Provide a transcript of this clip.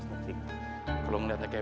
kalau mendatang kebun